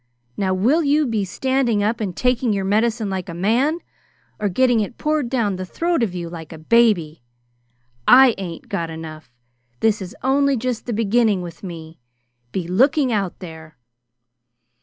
Now will you be standing up and taking your medicine like a man, or getting it poured down the throat of you like a baby? I ain't got enough! This is only just the beginning with me. Be looking out there!"